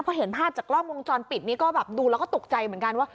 พอเห็นภาพจากกล้องวงจรปิดนี้ก็แบบดูแล้วก็ตกใจเหมือนกันว่า